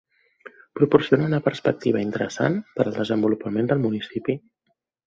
Proporciona una perspectiva interessant per al desenvolupament del municipi.